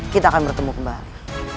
kita akan bertemu kembali